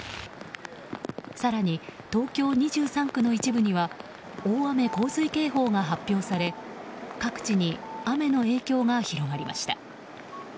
更に、東京２３区の一部には大雨・洪水警報が発表され各地に雨の影響が広がりました。